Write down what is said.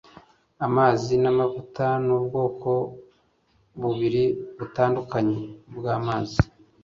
Amazi namavuta nubwoko bubiri butandukanye bwamazi.